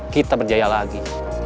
kita berjaya lagi